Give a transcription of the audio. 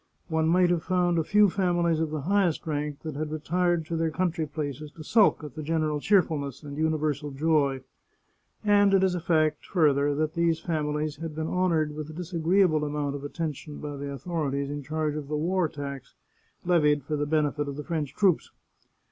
One might have found a few families of the highest rank that had retired to their coun try places to sulk at the general cheerfulness and universal joy. And it is a fact, further, that these families had been honoured with a disagreeable amount of attention by the authorities in charge of the war tax, levied for the benefit of the French troops.